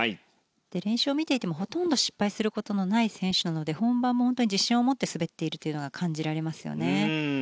練習を見ていてもほとんど失敗することのない選手なので本番も自信を持って滑っているというのが感じられますよね。